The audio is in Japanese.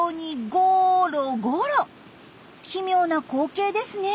奇妙な光景ですね。